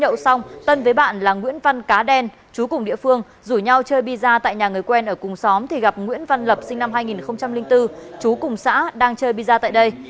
nhậu xong tân với bạn là nguyễn văn cá đen chú cùng địa phương rủ nhau chơi bia ra tại nhà người quen ở cùng xóm thì gặp nguyễn văn lập sinh năm hai nghìn bốn chú cùng xã đang chơi bia ra tại đây